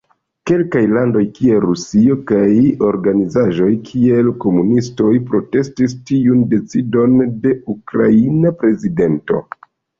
Kelkaj landoj, kiel Rusio, kaj organizaĵoj, kiel komunistoj, protestis tiun decidon de ukraina prezidento.